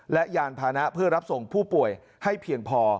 และยานพานะเพื่อรับส่งผู้ป่วยให้เพียงพอ